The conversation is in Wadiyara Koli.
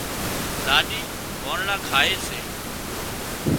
لاڏي وانۯا کائي سي